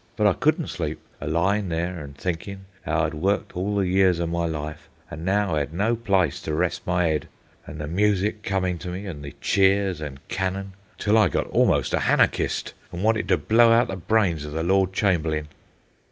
But I couldn't sleep, a lyin' there an' thinkin' 'ow I'd worked all the years o' my life an' now 'ad no plyce to rest my 'ead; an' the music comin' to me, an' the cheers an' cannon, till I got almost a hanarchist an' wanted to blow out the brains o' the Lord Chamberlain."